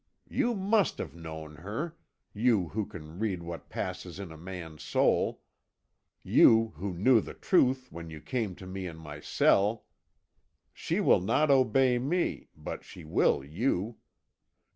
You must have known her, you who can read what passes in a man's soul you who knew the truth when you came to me in my cell! She will not obey me, but she will you.